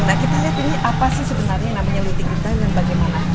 nah kita lihat ini apa sih sebenarnya namanya luti gendang dan bagaimana